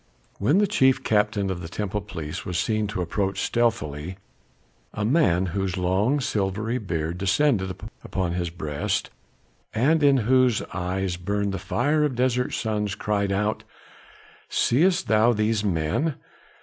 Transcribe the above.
When the chief captain of the temple police was seen to approach stealthily, a man whose long, silvery beard descended upon his breast, and in whose eyes burned the fire of desert suns cried out: "Seest thou these men?